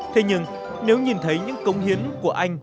thế nhưng nếu nhìn thấy những công hiến của anh